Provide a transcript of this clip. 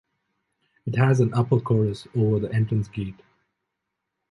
It has an upper chorus over the entrance gate.